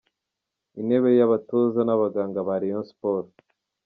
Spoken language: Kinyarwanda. Intebe y’abatoza n’abaganga ba Rayon Sports